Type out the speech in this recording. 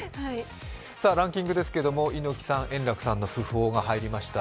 ランキングですけれども、猪木さん、円楽さんの訃報が入りました。